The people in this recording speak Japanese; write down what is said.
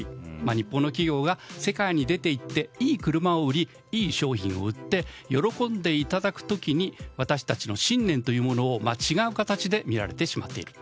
日本の企業が世界に出ていっていい車を売り、いい商品を売って喜んでいただく時に私たちの信念というものが違う形で見られてしまっている。